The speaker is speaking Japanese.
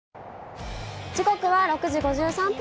時刻は６時５３分。